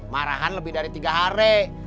marahan lebih dari tiga hari